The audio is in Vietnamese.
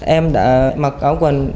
em đã mặc áo quần